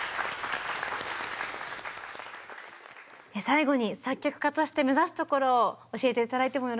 最後に作曲家として目指すところを教えて頂いてもよろしいでしょうか？